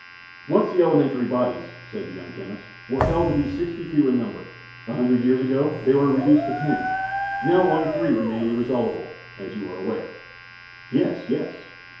"Once the elementary bodies," said the young chemist, "were held to be sixty two in number; a hundred years ago they were reduced to ten; now only three remain irresolvable, as you are aware." "Yes, yes."